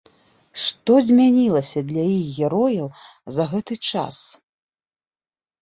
Што змянілася для іх герояў за гэты час?